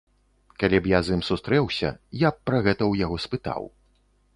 Калі б я з ім сустрэўся, я б пра гэта ў яго спытаў.